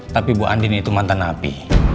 tapi bu andin itu mantan api